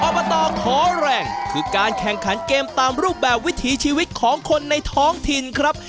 อบตขอแรงคือการแข่งขันเกมตามรูปแบบวิถีชีวิตของคนในท้องถิ่นครับ